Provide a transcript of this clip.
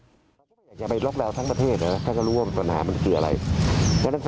เพราะว่าพอที่มีการประกาศมาตรการเพิ่มเติมก็ปลอดภัย